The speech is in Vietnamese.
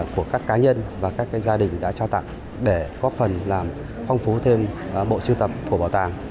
của các cá nhân và các gia đình đã trao tặng để góp phần làm phong phú thêm bộ siêu tập của bảo tàng